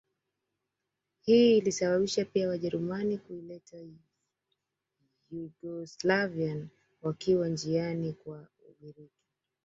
Hii ilisababisha pia Wajerumani kuiteka Yugoslavia wakiwa njiani kwenda Ugiriki